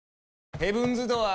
ヘブンズ・ドアー！